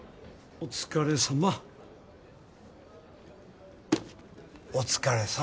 お疲れさん！